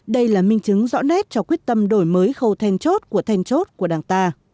đây là minh chứng rõ nét cho quyết tâm đổi mới khâu then chốt của then chốt của đảng ta